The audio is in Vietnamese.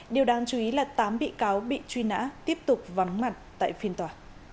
điều đáng chú ý là tám bị cáo bị truy nã tiếp tục vắng mặt tại phiên tòa